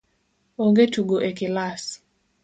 Onge tugo e kilas